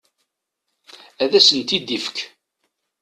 Ad asent-t-id-ifek.